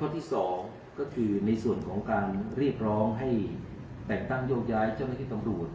ข้อที่๒ก็คือในส่วนของการเรียกร้องให้แต่งตั้งโยกย้ายเจ้าหน้าที่ตำรวจ